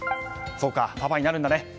そうか、パパになるんだね。